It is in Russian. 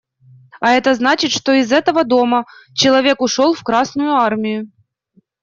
А это значит, что из этого дома человек ушел в Красную Армию.